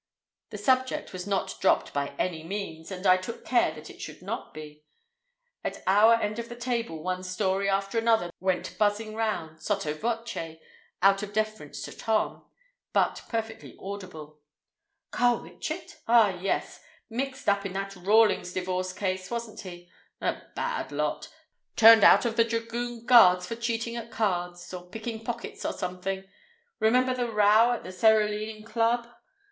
The subject was not dropped by any means, and I took care that it should not be. At our end of the table one story after another went buzzing round—sotto voce, out of deference to Tom—but perfectly audible. "Carwitchet? Ah, yes. Mixed up in that Rawlings divorce case, wasn't he? A bad lot. Turned out of the Dragoon Guards for cheating at cards, or picking pockets, or something—remember the row at the Cerulean Club?